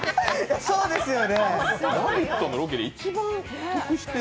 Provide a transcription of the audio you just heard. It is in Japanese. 「ラヴィット！」のロケで一番得してる。